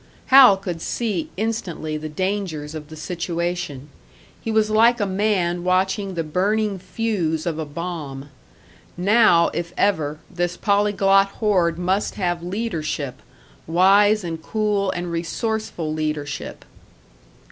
Hal could see instantly the dangers of the situation; he was like a man watching the burning fuse of a bomb. Now, if ever, this polyglot horde must have leadership wise and cool and resourceful leadership.